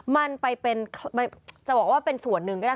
มันไปเป็นจะบอกว่าเป็นส่วนหนึ่งก็ได้